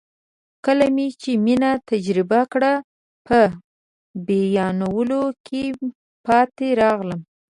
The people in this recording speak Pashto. کله مې چې مینه تجربه کړه په بیانولو کې پاتې راغلم.